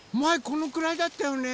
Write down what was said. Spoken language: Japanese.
このくらいだったよね。